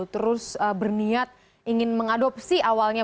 terus berniat ingin mengadopsi awalnya